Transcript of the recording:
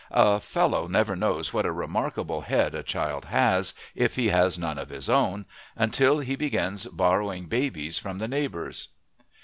A fellow never knows what a remarkable head a child has, if he has none of his own, until he begins borrowing babies from the neighbors.